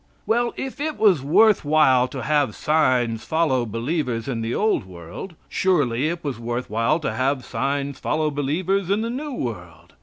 Well, if it was worth while to have signs follow believers in the old world, surely it was worth while to have signs follow believers in the new world.